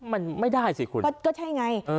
มันไม่ได้สิคุณก็ใช่ไง